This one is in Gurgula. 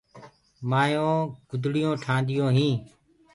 مآيونٚ گُدڙيونٚ ٺآنديونٚ هينٚ۔